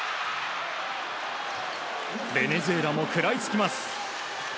ベネズエラも食らいつきます。